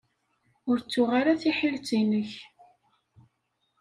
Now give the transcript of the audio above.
Ur ttuɣ ara tiḥilet-nnek.